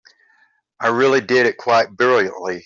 I really did it quite brilliantly.